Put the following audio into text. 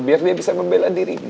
biar dia bisa membela diri